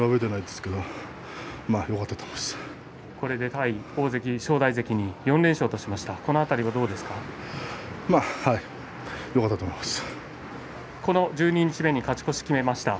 対大関正代関４連勝としました、